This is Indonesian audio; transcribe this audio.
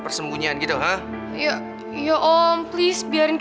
mereka juga burong